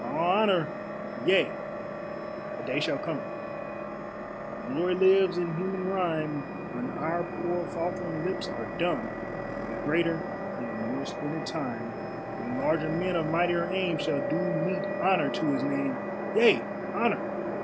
All honor! yea, a day shall come, If glory lives in human rhyme, When our poor faltering lips are dumb; A greater and more splendid time, When larger men of mightier aim Shall do meet honor to his name. Yea, honor!